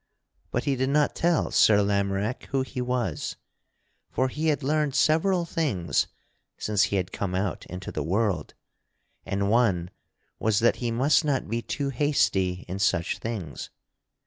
But he did not tell Sir Lamorack who he was, for he had learned several things since he had come out into the world, and one was that he must not be too hasty in such things.